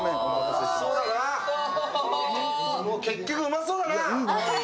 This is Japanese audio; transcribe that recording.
結局うまそうだな！